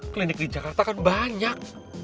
klinik di jakarta kan banyak